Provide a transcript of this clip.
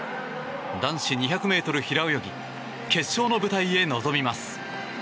男子２００ｍ平泳ぎ決勝の舞台へ臨みます。